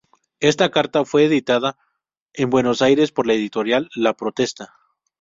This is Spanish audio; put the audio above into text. Esta carta fue editada en Buenos Aires por la editorial La Protesta.